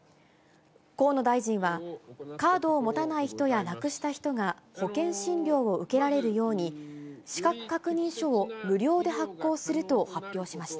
河野大臣は、カードを持たない人やなくした人が保険診療を受けられるように、資格確認書を無料で発行すると発表しました。